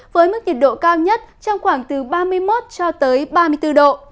với mức nhiệt độ cao nhất trong khoảng từ ba mươi một cho tới ba mươi bốn độ